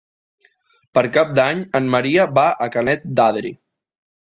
Per Cap d'Any en Maria va a Canet d'Adri.